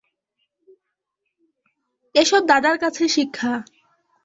এ-সব দাদার কাছে শিক্ষা।